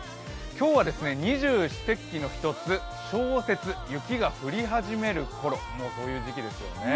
今日は二十四節気の一つ、小雪、雪が降り始めるころという時期ですよね。